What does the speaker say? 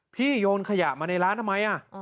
พี่โยนขยะมาในร้านทำไมอะ